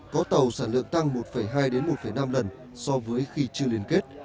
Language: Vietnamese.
có tàu sản lượng tăng một hai một năm lần so với khi chưa liên kết